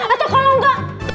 atau kalau enggak